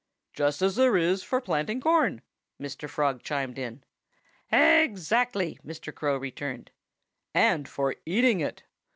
"Just as there is for planting corn," Mr. Frog chimed in. "Exactly!" Mr. Crow returned. "And for eating it!"